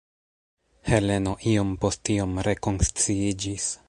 Heleno iom post iom rekonsciiĝis.